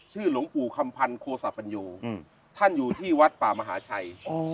หลวงปู่คำพันธ์โคสปัญโยท่านอยู่ที่วัดป่ามหาชัย